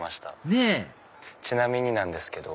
ねぇちなみになんですけど。